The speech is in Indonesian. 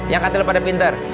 yang kata lo pada pinter